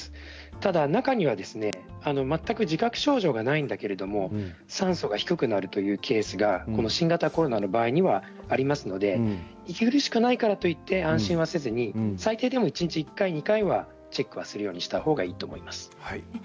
ただ中には全く自覚症状はないけれど酸素が低くなるというケースがこの新型コロナの場合にはありますので息苦しくないからといって安心せずに最低でも一日１回２回はチェックをするようにしたほうがいいと思います。